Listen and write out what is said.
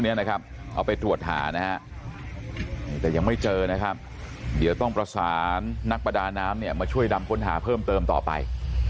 ยังไม่เจอนะครับเดี๋ยวต้องประสานนักประดาน้ำเนี่ยมาช่วยดำคนหาเพิ่มเติมต่อไป